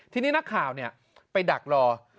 ทีนี้นักข่าวไปดักรอ